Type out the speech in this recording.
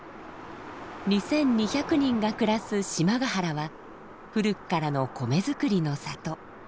２，２００人が暮らす島ヶ原は古くからの米作りの里。